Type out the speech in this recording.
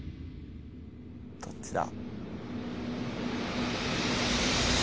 どっちだ？